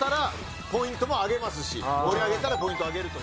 盛り上げたらポイントあげるという。